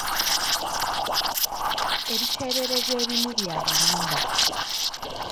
Ebiteeberezo ebimu bya bulimba.